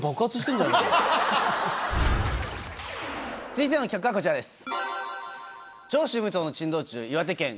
続いての企画はこちらです。